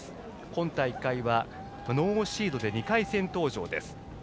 今大会はノーシードで２回戦登場です。